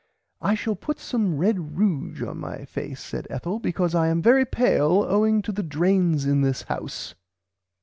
"I shall put some red ruge on my face said Ethel becouse I am very pale owing to the drains in this house."